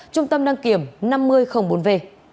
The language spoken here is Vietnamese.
trung tâm đăng kiểm năm mươi bốn v